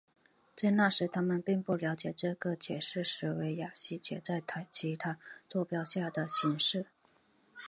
在那时他们并不了解这个解是史瓦西解在其他座标下的形式。